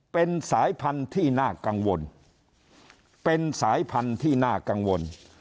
เป็นสายพันธุ์ที่น่ากังวลเป็นสายพันธุ์ที่น่ากังวล